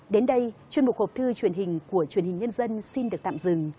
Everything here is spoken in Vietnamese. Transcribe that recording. đến đây chuyên mục hộp thư truyền hình của truyền hình nhân dân xin được tạm dừng